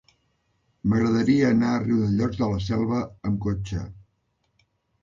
M'agradaria anar a Riudellots de la Selva amb cotxe.